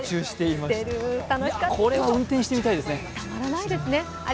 これは運転してみたいですね。